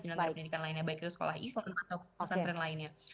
tenaga pendidikan lainnya baik itu sekolah islam atau pesantren lainnya